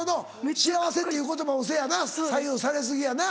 幸せっていう言葉もそやな左右され過ぎやな。